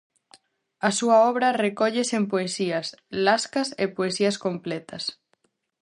A súa obra recóllese en Poesías, Lascas e Poesías completas.